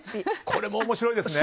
これも面白いですね！